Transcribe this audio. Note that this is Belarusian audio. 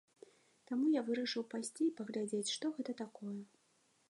Таму я вырашыў пайсці і паглядзець, што гэта такое.